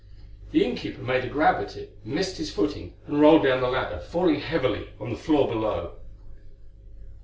The inn keeper made a grab at it, missed his footing and rolled down the ladder, falling heavily on the floor below.